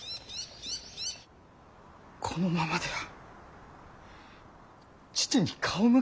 このままでは父に顔向けできぬ！